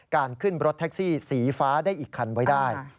การขึ้นรถแท็กซี่สีฟ้าได้อีกคันไว้ได้